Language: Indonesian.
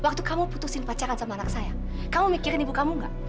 waktu kamu putusin pacaran sama anak saya kamu mikirin ibu kamu gak